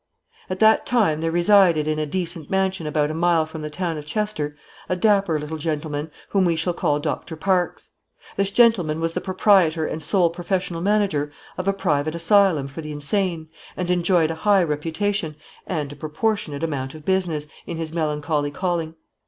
At that time there resided in a decent mansion about a mile from the town of Chester, a dapper little gentleman, whom we shall call Doctor Parkes. This gentleman was the proprietor and sole professional manager of a private asylum for the insane and enjoyed a high reputation, and a proportionate amount of business, in his melancholy calling.